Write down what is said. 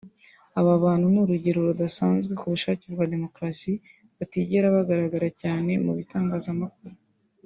Aba bantu ni urugero rudasanzwe ku bushake (bwa demokarasi) batigera bagaragara cyane mu bitangazamakuru